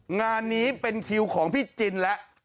งานนี้เป็นคิวของพี่จินแล้ว